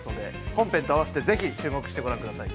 本編と合わせてぜひ、注目してご覧ください。